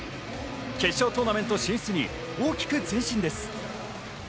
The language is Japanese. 決勝トーナメント進出に大きく前進です。